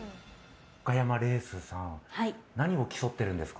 岡山レースさん何を競ってるんですか？